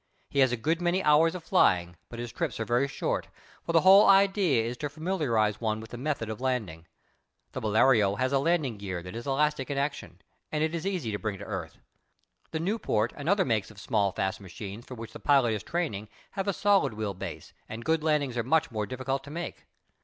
He has a good many hours of flying, but his trips are very short, for the whole idea is to familiarize one with the method of landing. The Blériot has a landing gear that is elastic in action, and it is easy to bring to earth. The Nieuport and other makes of small, fast machines for which the pilot is training have a solid wheel base, and good landings are much more difficult to make.